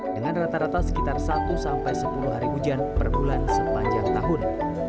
dengan rata rata sekitar satu sampai sepuluh hari hujan per bulan sepanjang tahun